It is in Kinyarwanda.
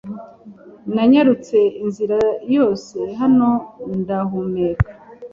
Nanyarutse inzira yose hano ndahumeka.